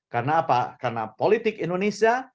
karena apa karena politik indonesia